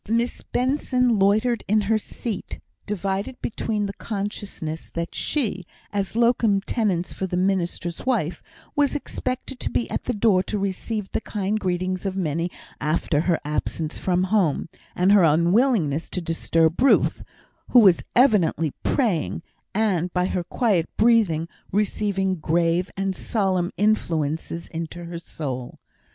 Miss Benson loitered in her seat, divided between the consciousness that she, as locum tenens for the minister's wife, was expected to be at the door to receive the kind greetings of many after her absence from home, and her unwillingness to disturb Ruth, who was evidently praying, and, by her quiet breathing, receiving grave and solemn influences into her soul.